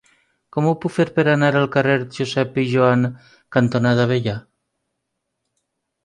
Com ho puc fer per anar al carrer Josep Pijoan cantonada Avellà?